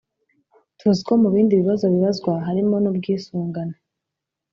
tuzi ko mu bindi bibazo bibazwa harimo n’ubwisungane